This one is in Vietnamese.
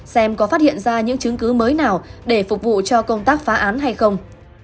xem có phát hiện ra những chứng cứ mới nào để phục vụ cho công tác phá án hay không